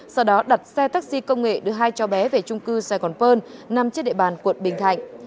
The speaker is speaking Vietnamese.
sau đó đặt xe taxi công nghệ đưa hai trò bé về trung cư saigon pearl nằm trên địa bàn quận bình thạnh